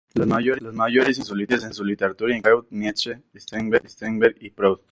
Las mayores influencias en su literatura incluyen a Freud, Nietzsche, Strindberg y Proust.